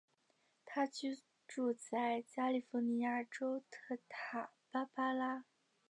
他居住在加利福尼亚州圣塔芭芭拉。